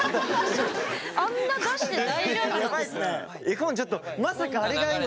絵本ちょっとまさかあれが今。